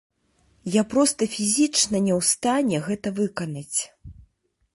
Я проста фізічна не ў стане гэта выканаць.